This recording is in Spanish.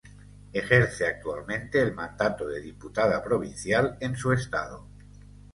Ejerce actualmente el mandato de diputada provincial en su estado.